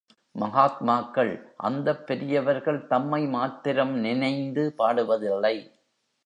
மகாத்மாக்கள் அந்தப் பெரியவர்கள் தம்மை மாத்திரம் நினைந்து பாடுவதில்லை.